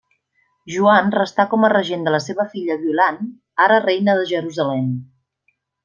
Joan restà com a regent de la seva filla Violant, ara Reina de Jerusalem.